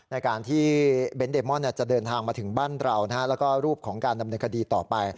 ในการที่เบนท์เดมอนจะเดินทางมาถึงบ้านเราแล้วก็รูปของการดำเนินคดีต่อไป